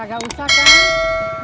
gak usah kan